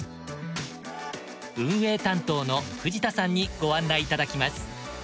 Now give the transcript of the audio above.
運営担当の藤田さんにご案内いただきます。